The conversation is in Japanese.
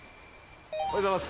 おはようございます。